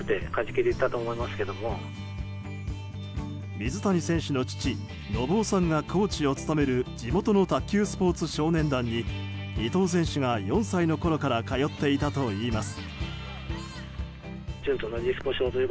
水谷選手の父・信雄さんがコーチを務める地元の卓球スポーツ少年団に伊藤選手が４歳のころから通っていたといいます。